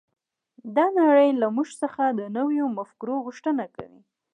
دا نړۍ له موږ څخه د نویو مفکورو غوښتنه کوي